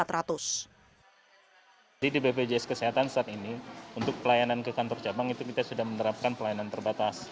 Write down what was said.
jadi di bpjs kesehatan saat ini untuk pelayanan ke kantor cabang itu kita sudah menerapkan pelayanan terbatas